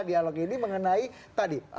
dialog ini mengenai tadi